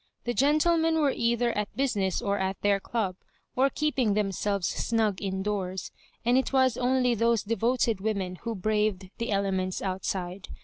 The gentlemen were either at business or at their club, or keeping themselves snug indoors ; and it was only those devoted women who braved the elements outside.